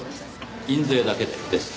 印税だけでです。